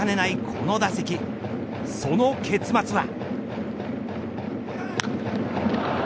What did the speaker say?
この打席その結末は。